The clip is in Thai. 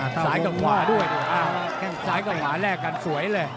สายกับหวาด้วยสายกับหวาแรกกันสวยเลย